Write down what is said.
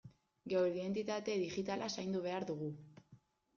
Geure identitate digitala zaindu behar dugu.